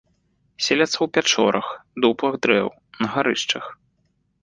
Селяцца ў пячорах, дуплах дрэў, на гарышчах.